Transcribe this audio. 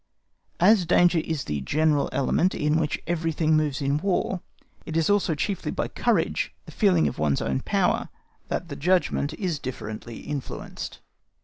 As danger is the general element in which everything moves in War, it is also chiefly by courage, the feeling of one's own power, that the judgment is differently influenced.